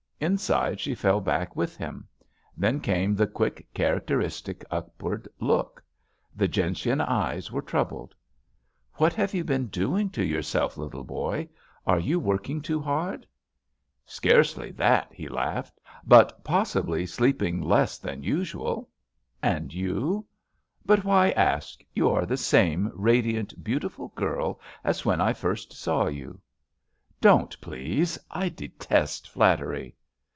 Inside she fell back with him. Then came the quick, characteristic upward look. The gentian eyes were troubled. What have you been doing to yourself, little boy? Are you working too hard?" ^ JUST SWEETHEARTS £^ "Scarcely that," he laughed, "but possibly sleeping less than usual. And you ?— but why ask I You are the same radiant, beautiful girl as when I first saw you." "Don't, please. I detest flattery."